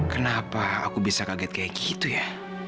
kenapa aku bisa kaget kayak gitu ya